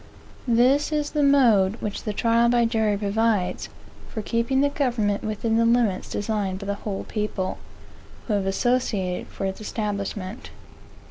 This is the mode, which the trial by jury provides, for keeping the government within the limits designed by the whole people, who have associated for its establishment.